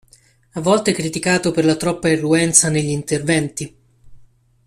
A volte criticato per la troppa irruenza negli interventi.